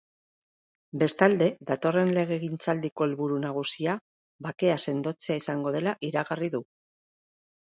Bestalde, datorren legegintzaldiko helburu nagusia bakea sendotzea izango dela iragarri du.